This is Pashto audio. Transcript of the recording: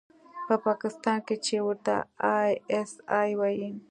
په پاکستان کښې چې ورته آى اس آى وايي.